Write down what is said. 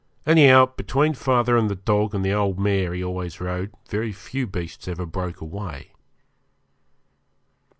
Anyhow, between father and the dog and the old mare he always rode, very few beasts ever broke away.